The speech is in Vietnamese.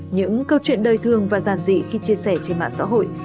những câu chuyện đời thường và giàn dị khi chia sẻ trên mạng xã hội